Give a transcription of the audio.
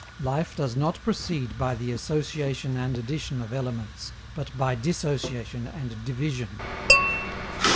_Life does not proceed by the association and addition of elements, but by dissociation and division.